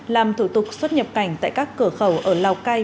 làm thủ tục xuất nhập cảnh tại các cửa khẩu ở lào cai